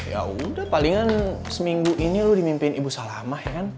ya udah palingan seminggu ini lu dimimpin ibu salamah ya kan